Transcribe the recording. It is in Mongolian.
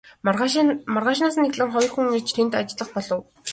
Маргаашаас нь эхлэн хоёр хүн ирж тэнд ажиллах болов.